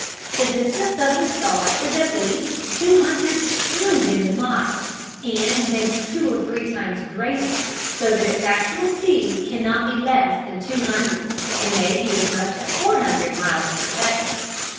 The distance of this star is at least 200,000,000,000,000 miles, and may be two or three times greater, so that its actual speed cannot be less than two hundred, and may be as much as four hundred, miles per second.